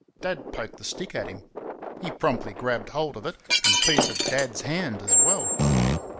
Dad poked the stick at him. He promptly grabbed hold of it, and a piece of Dad's hand as well.